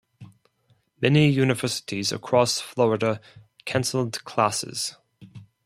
Many universities across Florida canceled classes.